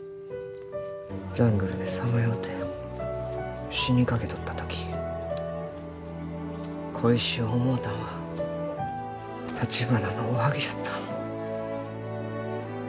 ジャングルでさまようて死にかけとった時恋しゅう思うたんはたちばなのおはぎじゃった。